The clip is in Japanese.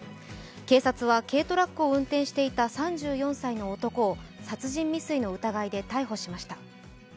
警察は軽トラックを運転していた３４歳の男を殺人未遂の疑いで逮捕しました。